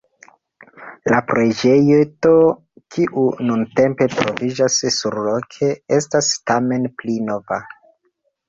La preĝejeto kiu nuntempe troviĝas surloke estas tamen pli nova.